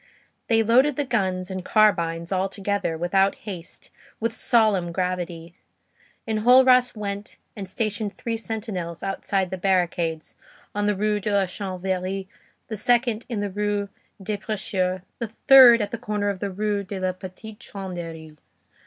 They loaded the guns and carbines, all together, without haste, with solemn gravity. Enjolras went and stationed three sentinels outside the barricades, one in the Rue de la Chanvrerie, the second in the Rue des Prêcheurs, the third at the corner of the Rue de la Petite Truanderie.